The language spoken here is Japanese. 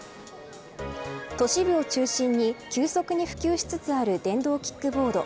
都市部を中心に急速に普及しつつある電動キックボード